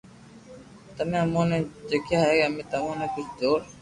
تمو امون ني خلڪيا ھي امي تمو نو ڪجھ دور